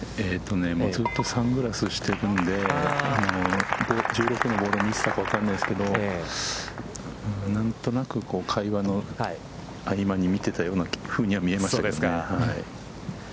ちょっとサングラスしてるので、１６のボードを見てたかは分かりませんけど、何となく会話の合間に見てたような風には見えましたけどね。